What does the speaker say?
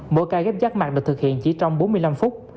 mỗi ca ghép rác mạc được thực hiện chỉ trong bốn mươi năm phút